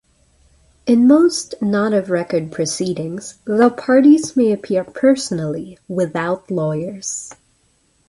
In most "not of record" proceedings, the parties may appear personally, without lawyers.